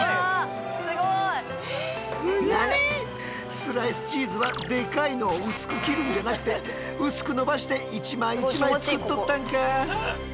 スライスチーズはでかいのを薄く切るんじゃなくて薄く伸ばして一枚一枚作っとったんか。